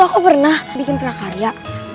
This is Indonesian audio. aku pernah bikin prakarya